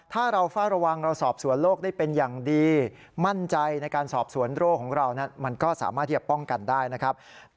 ถ้าเราเฝ้าระวังเราสอบสวนโรคได้เป็นอย่างดีมั่นใจในการสอบสวนโรคของเรามันก็สามารถที่จะป้องกันได้นะครับ